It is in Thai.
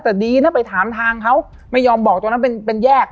แต่ดีนะไปถามทางเขาไม่ยอมบอกตรงนั้นเป็นแยก